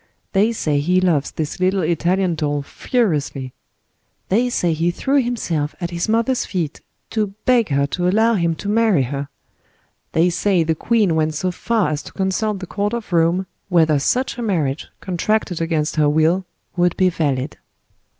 They say he loves this little Italian doll furiously. They say he threw himself at his mother's feet, to beg her to allow him to marry her. They say the queen went so far as to consult the court of Rome, whether such a marriage, contracted against her will, would be valid.